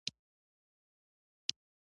د لوړو زده کړو دروازې هم د ځوانانو پر مخ تړلي دي.